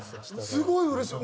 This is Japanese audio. すごいうれしい。